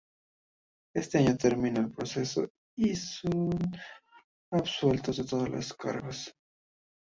Este año termina el proceso y son absueltos de todos los cargos.